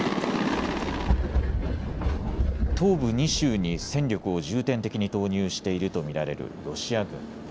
東部２州に戦力を重点的に投入していると見られるロシア軍。